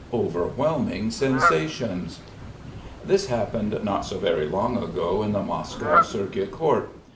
OVERWHELMING SENSATIONS This happened not so very long ago in the Moscow Circuit Court.